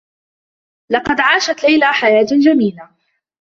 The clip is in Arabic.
لقد عاشت ليلى حياة جميلة.